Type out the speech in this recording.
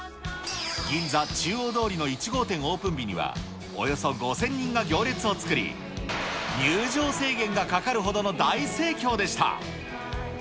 銀座中央通りの１号店オープン日には、およそ５０００人が行列を作り、入場制限がかかるほどの大盛況でした。